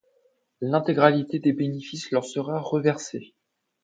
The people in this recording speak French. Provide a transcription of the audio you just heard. L'intégralité des bénéfices leur sera reversé.